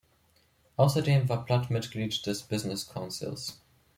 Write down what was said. Außerdem war Platt Mitglied des "Business Council"s.